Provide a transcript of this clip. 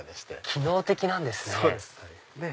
機能的なんですね。